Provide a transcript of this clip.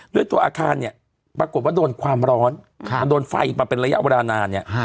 ด้วยตัวอาคารปรากฏว่าโดนความร้อนโดนไฟมาเป็นระยะวันดานาน